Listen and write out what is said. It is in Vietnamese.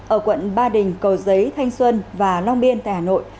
ở quận ba đình cầu giấy thanh xuân và long biên tại hà nội